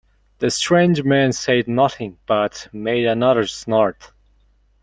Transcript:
The strange man said nothing but made another snort.